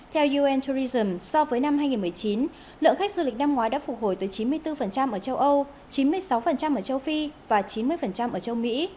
theo un tourism so với năm hai nghìn một mươi chín lượng khách du lịch năm ngoái đã phục hồi tới chín mươi bốn ở châu âu chín mươi sáu ở châu phi và chín mươi ở châu mỹ